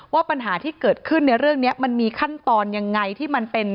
ว่าปัญหาที่เกิดขึ้นในเรื่องนี้มันมีขั้นตอนยังไงที่มันเป็น